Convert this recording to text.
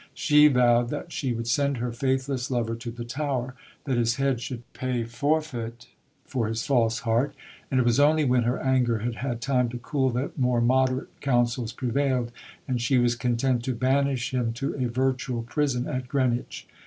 She vowed that she would send her faithless lover to the Tower, that his head should pay forfeit for his false heart; and it was only when her anger had had time to cool that more moderate counsels prevailed, and she was content to banish him to a virtual prison at Greenwich.